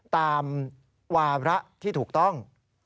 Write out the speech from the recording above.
ตามวาระที่ถูกต้อง